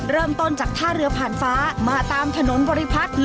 เริ่มต้นจากท่าเรือผ่านฟ้ามาตามถนนบริพัฒน์